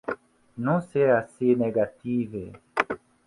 Non ser assi negative.